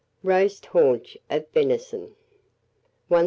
ROAST HAUNCH OF VENISON. 1049.